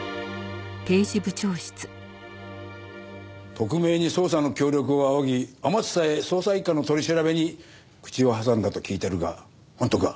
特命に捜査の協力を仰ぎあまつさえ捜査一課の取り調べに口を挟んだと聞いてるが本当か？